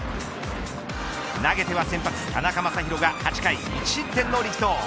投げては先発、田中将大が８回１失点の力投。